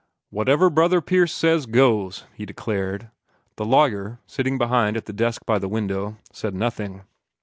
"Whatever Brother Pierce says, goes!" he declared. The lawyer, sitting behind at the desk by the window, said nothing.